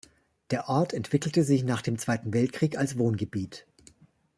Der Ort entwickelte sich nach dem Zweiten Weltkrieg als Wohngebiet.